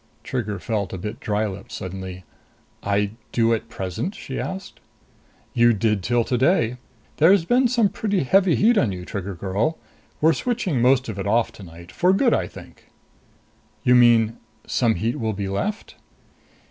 Trigger felt a bit dry lipped suddenly. "I do at present?" she asked. "You did till today. There's been some pretty heavy heat on you, Trigger girl. We're switching most of it off tonight. For good, I think." "You mean some heat will be left?"